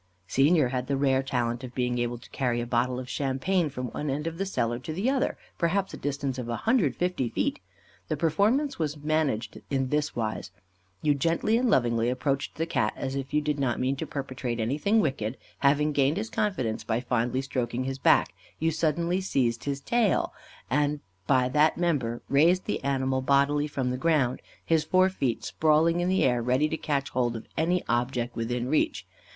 Senior had the rare talent of being able to carry a bottle of champagne from one end of the cellar to the other, perhaps a distance of a hundred and fifty feet. The performance was managed in this wise. You gently and lovingly approached the Cat as if you did not mean to perpetrate anything wicked; having gained his confidence by fondly stroking his back, you suddenly seized his tail, and by that member raised the animal bodily from the ground his fore feet sprawling in the air ready to catch hold of any object within reach.